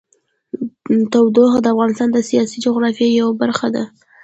تودوخه د افغانستان د سیاسي جغرافیه یوه برخه ده.